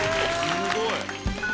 すごい。